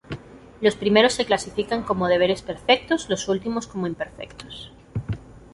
Los primeros se clasifican como deberes perfectos, los últimos como imperfectos.